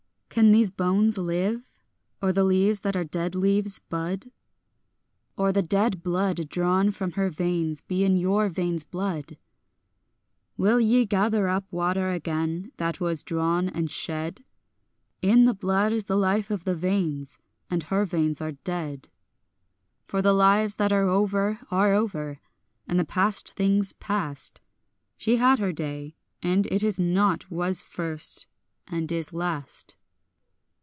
Can these bones live? or the leaves that are dead leaves bud? Or the dead blood drawn from her veins be in your veins blood? Will ye gather up water again that was drawn and shed? In the blood is the life of the veins, and her veins are dead. For the lives that are over are over, and past things past; She had her day, and it is not; was first, and is last.